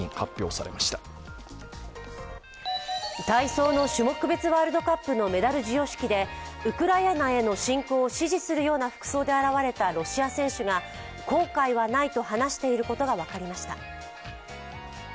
体操の種目別ワールドカップのメダル授与式でウクライナへの侵攻を支持するような服装で現れたロシア選手が後悔はないと話していることが分かりました。